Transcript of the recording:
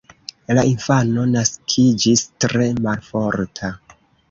La infano naskiĝis tre malforta.